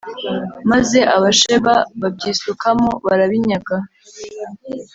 maze Abasheba babyisukamo barabinyaga